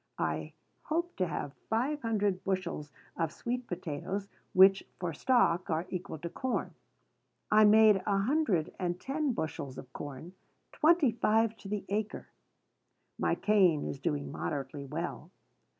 I hope to have five hundred bushels of sweet potatoes, which, for stock, are equal to corn. I made a hundred and ten bushels of corn, twenty five to the acre. My cane is doing moderately well.